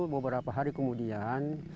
beberapa hari kemudian